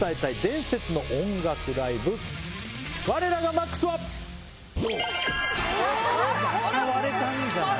また割れたんじゃない？